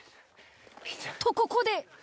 とここで。